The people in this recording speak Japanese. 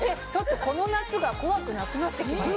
この夏が怖くなくなってきました。